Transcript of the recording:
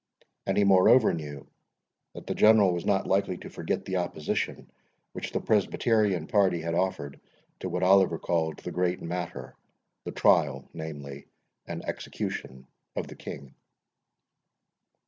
And he moreover knew that the General was not likely to forget the opposition which the Presbyterian party had offered to what Oliver called the Great Matter—the trial, namely, and execution of the King.